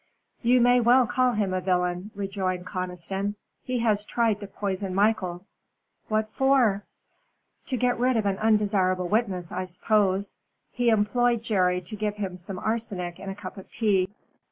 "You may well call him a villain," rejoined Conniston; "he has tried to poison Michael." "What for?" "To get rid of an undesirable witness, I suppose. He employed Jerry to give him some arsenic in a cup of tea.